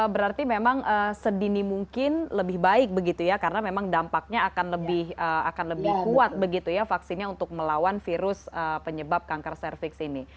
berarti memang sedini mungkin lebih baik begitu ya karena memang dampaknya akan lebih kuat begitu ya vaksinnya untuk melawan virus penyebab kanker cervix ini